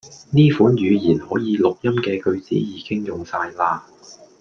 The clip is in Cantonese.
呢款語言可以錄音既句子已經用哂啦